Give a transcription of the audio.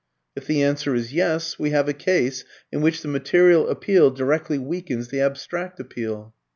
If the answer is "Yes," we have a case in which the material appeal directly weakens the abstract appeal.